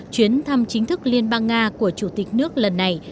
chuyến thăm chính thức liên bang nga của chủ tịch nước lần này